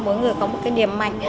mỗi người có một cái điểm mạnh